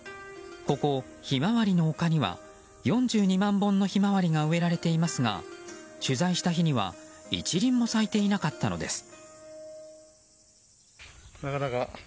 ここ、ひまわりの丘には４２万本のひまわりが植えられていますが取材した日には１輪も咲いていなかったのです。